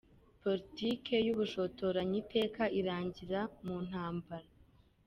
Politiki y’ubushotoranyi iteka irangirira mu ntambara.